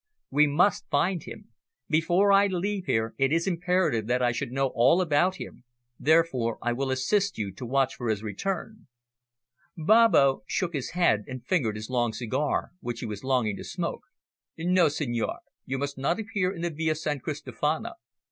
"We must find out. Before I leave here it is imperative that I should know all about him, therefore I will assist you to watch for his return." Babbo shook his head and fingered his long cigar, which he was longing to smoke. "No, signore. You must not appear in the Via San Cristofana.